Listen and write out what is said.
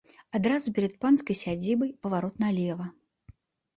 Адразу перад панскай сядзібай паварот налева.